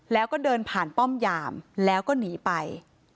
แล้วก็เดินผ่านป้อมยามแล้วก็หนีไป